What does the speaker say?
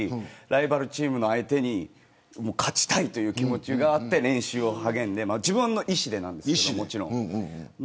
ライバルチームの相手に勝ちたいという気持ちがあって練習に励んで自分の意思でなんですけれどもちろん。